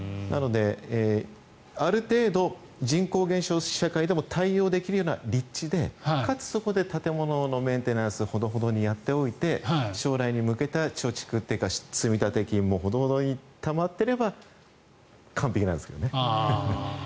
ある程度人口減少社会でも対応できるような立地でかつそこで建物のメンテナンスをほどほどにやっておいて将来に向けた貯蓄、積み立てがほどほどにたまっていれば完璧なんですけどね。